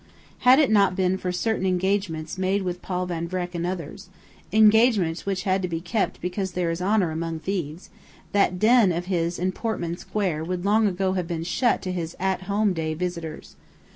Had it not been for certain engagements made with Paul Van Vreck and others engagements which had to be kept because there is honour among thieves that "den" of his in Portman Square would long ago have been shut to his "at home" day visitors.